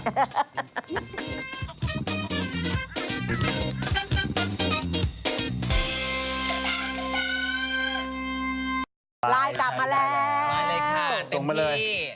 ลายตัดมาแล้วลายเลยค่ะเต็มพี่